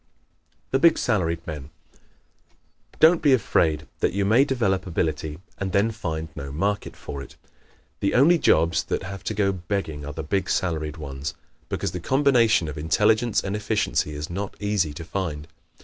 The Big Salaried Men ¶ Don't be afraid that you may develop ability and then find no market for it. The only jobs that have to go begging are the big salaried ones, because the combination of intelligence and efficiency is not easy to find.